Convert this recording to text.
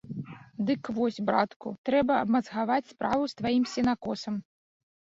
Дык вось, братку, трэба абмазгаваць справу з тваім сенакосам.